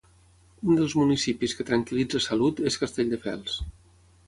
Un dels municipis que tranquil·litza Salut és Castelldefels.